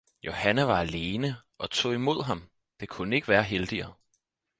Johanne var alene og tog imod ham, det kunne ikke være heldigere.